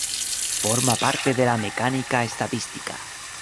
Forma parte de la Mecánica Estadística.